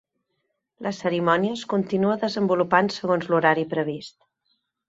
La cerimònia es continua desenvolupant segons l'horari previst.